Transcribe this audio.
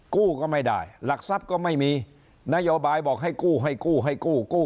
กู้ก็ไม่ได้หลักทรัพย์ก็ไม่มีนโยบายบอกให้กู้ให้กู้ให้กู้กู้